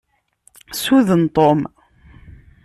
Suden Tom!